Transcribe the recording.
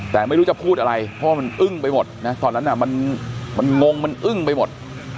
แต่ไม่รู้จะพูดอะไรเพราะมันอึ้งไปหมดนะตอนนั้นมันงงมันอึ้งไปหมด